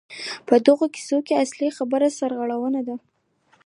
په دغو کیسو کې اصلي خبره سرغړونه ده.